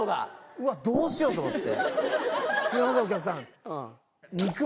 うわどうしよう？と思って。